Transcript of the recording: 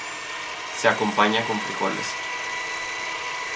Se acompaña con frijoles.